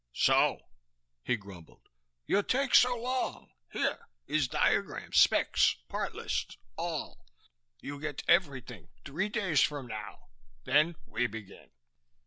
"So," he grumbled, "you take so long! Here. Is diagrams, specs, parts lists, all. You get everything three days from now, then we begin."